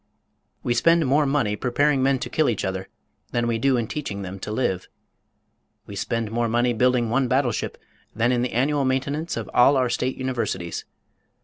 We spend more money preparing men to kill each other than we do in teaching them to live. We spend more money building one battleship than in the annual maintenance of all our state universities.